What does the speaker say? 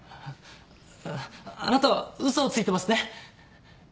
ああなたは嘘をついてますね？